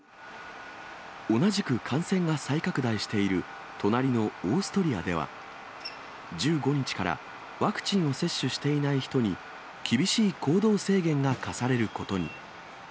同じく感染が再拡大している隣のオーストリアでは、１５日から、ワクチンを接種していない人に、厳しい行動制限が課されることに。